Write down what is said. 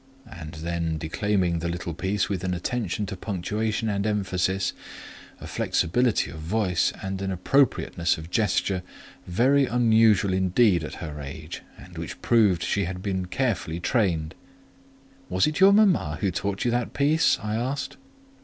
She then declaimed the little piece with an attention to punctuation and emphasis, a flexibility of voice and an appropriateness of gesture, very unusual indeed at her age, and which proved she had been carefully trained. "Was it your mama who taught you that piece?" I asked.